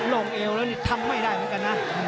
ลงเอวแล้วนี่ทำไม่ได้เหมือนกันนะ